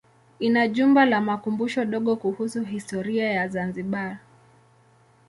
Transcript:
Ina jumba la makumbusho dogo kuhusu historia ya Zanzibar.